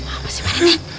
apa sih pak rt